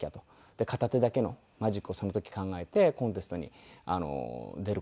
で片手だけのマジックをその時考えてコンテストに出る事になったんですけど。